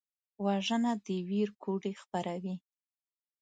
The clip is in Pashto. وژنه د ویر کوډې خپروي